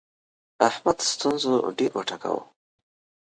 احمد ستونزو ډېر وټکاوو.